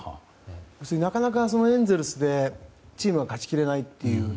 要するになかなかエンゼルスでチームが勝ちきれなくて。